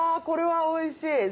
これはおいしい！